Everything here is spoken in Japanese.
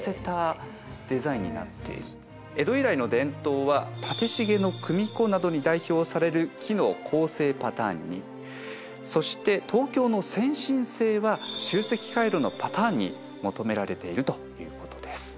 江戸以来の伝統は縦繁の組子などに代表される木の構成パターンにそして東京の先進性は集積回路のパターンに求められているということです。